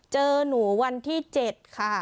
เจอหนูวันที่๗ค่ะ